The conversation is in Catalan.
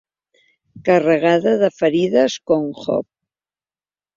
Carregada de ferides, com Job.